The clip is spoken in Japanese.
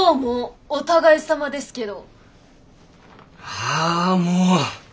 ああもう！